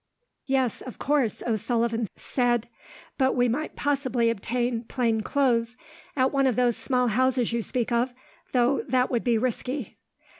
"Yes, of course," O'Sullivan said; "but we might possibly obtain plain clothes at one of those small houses you speak of, though that would be risky."